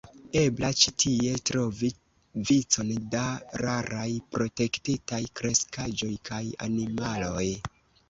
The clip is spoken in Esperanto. Ebla ĉi tie trovi vicon da raraj protektitaj kreskaĵoj kaj animaloj.